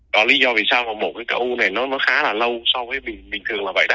đó là lý do vì sao mà mổ cái khối u này nó khá là lâu so với bình thường là vậy đó